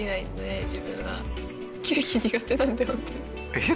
えっ？